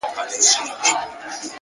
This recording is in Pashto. هره ستونزه د حل لاره لري.!